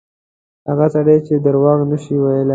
هغه سړی چې دروغ نه شي ویلای.